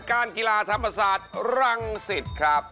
กล้านกีฬาธรรมสาชีพรันธ์ซิดครับ